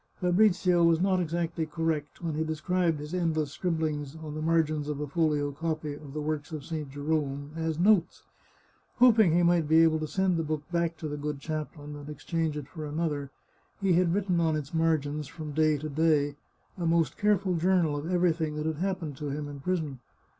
Fabrizio was not exactly correct when he described his endless scribblings on the margins of a folio copy of the works of St. Jerome as " notes." Hoping he might be able to send the book back to the good chaplain and exchange it for another, he had written on its margins, from day to day, a most careful journal of everything that happened to him in prison.